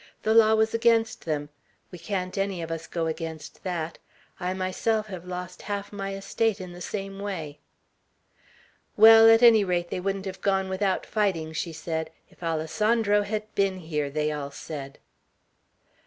"The law was against them. We can't any of us go against that. I myself have lost half my estate in the same way." "Well, at any rate they wouldn't have gone without fighting!" she said. "'If Alessandro had been here!' they all said."